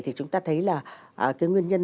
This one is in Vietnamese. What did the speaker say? thì chúng ta thấy là cái nguyên nhân